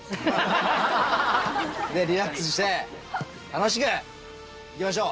でリラックスして楽しくいきましょう。